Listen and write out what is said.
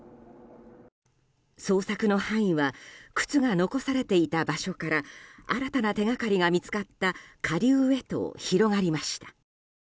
捜索の範囲は靴が残されていた場所から新たな手がかりが見つかった下流へと広がりました。